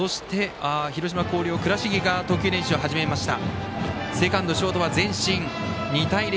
広島・広陵、倉重が投球練習を始めました。